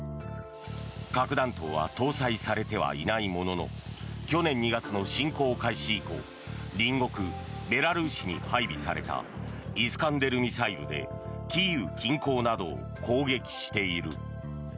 核弾頭は搭載されてはいないものの去年２月の侵攻開始以降隣国ベラルーシに配備されたイスカンデルミサイルでキーウ近郊などを攻撃している。